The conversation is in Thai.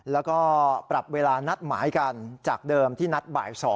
แล้วก็ปรับเวลานัดหมายกันจากเดิมที่นัดบ่าย๒